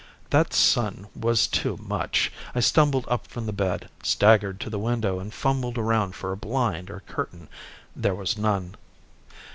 That sun was too much. I stumbled up from the bed, staggered to the window and fumbled around for a blind or curtain. There was none.